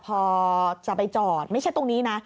พอจะไปจอดไม่ใช่ตรงนี้นะ